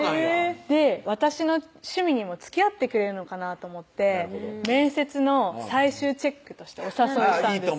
私の趣味にもつきあってくれるのかなと思って面接の最終チェックとしてお誘いしたんですよ